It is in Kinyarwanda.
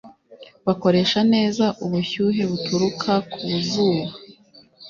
bakoresha neza ubushyuhe buturuka ku zuba